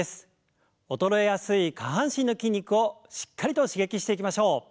衰えやすい下半身の筋肉をしっかりと刺激していきましょう。